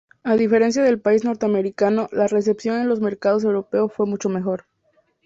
A diferencia del país norteamericano, la recepción en los mercados europeo fue mucho mejor.